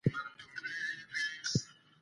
خو د کورنۍ په خوښه مې ادامه ورکړه .